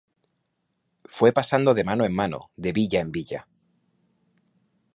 Fue pasando de mano en mano, de villa en villa.